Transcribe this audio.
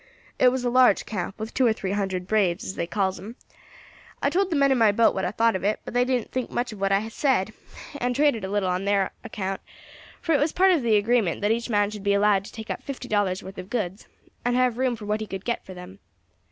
It was a large camp, with two or three hundred braves, as they calls 'em. I told the men in my boat what I thought of it; but they didn't think much of what I said, and traded a little on their own account, for it was part of the agreement that each man should be allowed to take up fifty dollars worth of goods, and have room for what he could get for them.